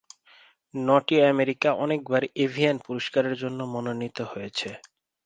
নটি আমেরিকা অনেকবার এভিএন পুরস্কারের জন্য মনোনীত হয়েছে।